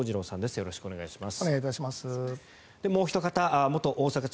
よろしくお願いします。